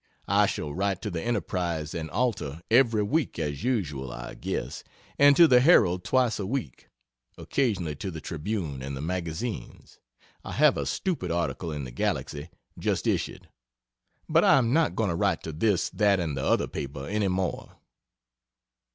I shall write to the Enterprise and Alta every week, as usual, I guess, and to the Herald twice a week occasionally to the Tribune and the Magazines (I have a stupid article in the Galaxy, just issued) but I am not going to write to this, that and the other paper any more.